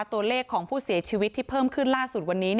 ตัวเลขของผู้เสียชีวิตที่เพิ่มขึ้นล่าสุดวันนี้